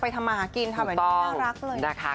ไปทำหากินค่ะแบบนี้น่ารักเลยนะคะ